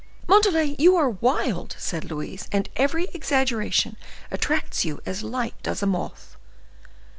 "Montalais, you are wild!" said Louise, "and every exaggeration attracts you as light does a moth."